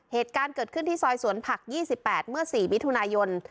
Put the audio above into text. เหตุการณ์เกิดขึ้นที่ซอยสวนผัก๒๘เมื่อ๔มิถุนายน